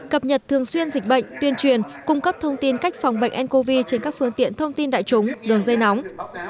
cập nhật thường xuyên dịch bệnh tuyên truyền cung cấp thông tin cách phòng bệnh ncov trên các phương tiện thông tin đại chúng đường dây nóng